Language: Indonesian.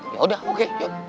yaudah oke yuk